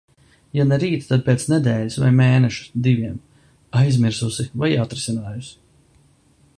Ja ne rīt, tad pēc nedēļas vai mēneša, diviem. Aizmirsusi vai atrisinājusi.